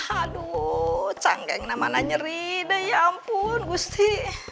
aduh canggeng namanan nyeri deh ya ampun gusti